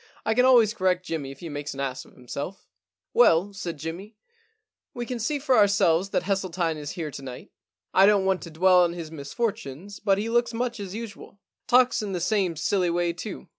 * I can always correct Jimmy if he makes an ass of himself/ * Well,' said Jimmy, * we can see for our selves that Hesseltine is here to night. I don't want to dwell on his misfortunes, but he looks much as usual. Talks in the same silly way too.